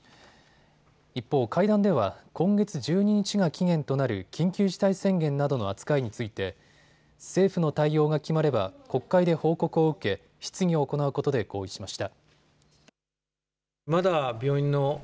一方、会談では今月１２日が期限となる緊急事態宣言などの扱いについて政府の対応が決まれば国会で報告を受け質疑を行うことで合意しました。